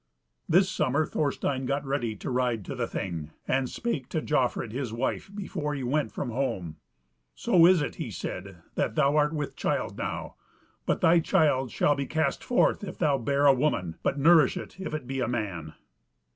This summer Thorstein got ready to ride to the Thing, and spake to Jofrid his wife before he went from home. "So is it," he says, "that thou art with child now, but thy child shall be cast forth if thou bear a woman; but nourished if it be a man."